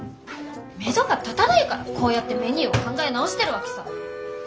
めどが立たないからこうやってメニューを考え直してるわけさ。